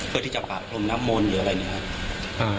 เพื่อที่จะปากพรมนามมนต์หรืออะไรอย่างนี้